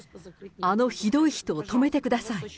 あのひどい人を止めてください。